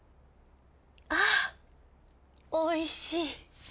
あおいしい。